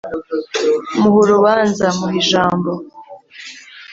muhe urubanza: muhe ijambo